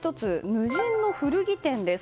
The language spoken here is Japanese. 無人の古着店です。